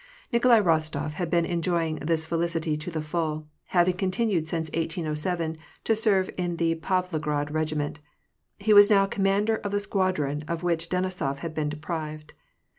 Nikolai Rostof had been enjoying this felicity to the full, having continued since 1807 to serve in the Pavlograd regi ment : he was now commander of the squadron of which Den isof had been deprived.